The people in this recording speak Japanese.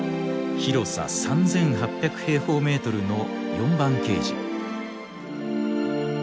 広さ３，８００平方メートルの４番ケージ。